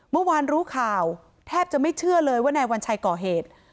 เมื่อวานรู้ข่าวแทบจะไม่เชื่อเลยว่านายวัญชัยก่อเหตุ